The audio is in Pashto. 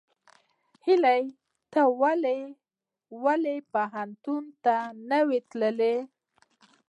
هیلۍ ته ولې پوهنتون ته نه وې تللې؟